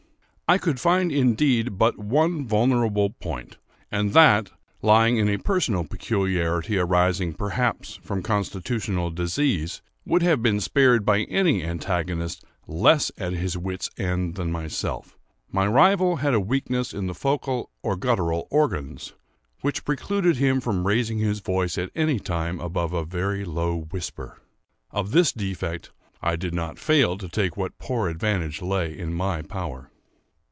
I could find, indeed, but one vulnerable point, and that, lying in a personal peculiarity, arising, perhaps, from constitutional disease, would have been spared by any antagonist less at his wit's end than myself;—my rival had a weakness in the faucal or guttural organs, which precluded him from raising his voice at any time above a very low whisper. Of this defect I did not fail to take what poor advantage lay in my power.